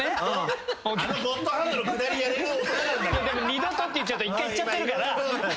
「二度と」って言っちゃうと１回行っちゃってるから。